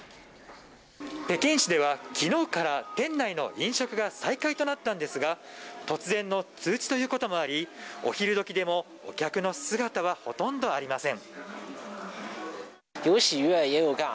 北京市では昨日から店内の飲食が再開となったんですが突然の通知ということもありお昼時でも、お客の姿はほとんどありません。